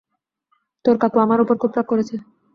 তোর কাকু আমাদের উপর খুব রাগ করেছে।